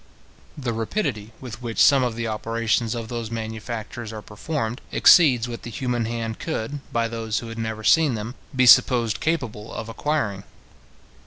The rapidity with which some of the operations of those manufactures are performed, exceeds what the human hand could, by those who had never seen them, be supposed capable of acquiring.